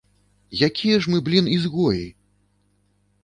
Якія ж мы, блін, ізгоі?